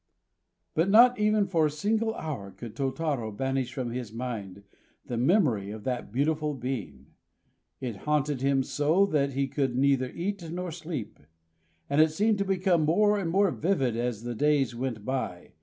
But not even for a single hour could Tôtarô banish from his mind the memory of that beautiful being. It haunted him so that he could neither eat nor sleep; and it seemed to become more and more vivid as the days went by.